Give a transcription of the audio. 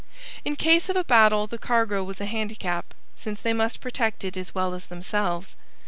In case of a battle the cargo was a handicap, since they must protect it as well as themselves.